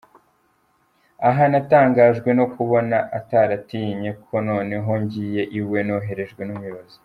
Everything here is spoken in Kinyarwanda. Aha natangajwe no kubona ataratinye ko noneho ngiye iwe noherejwe n’umuyobozi.